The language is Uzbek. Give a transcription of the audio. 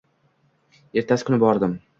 Ertasi kuni bordim